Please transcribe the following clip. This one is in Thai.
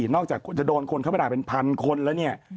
นอกจากจะโดนคนเข้าไปด่าเป็นพันคนแล้วเนี่ย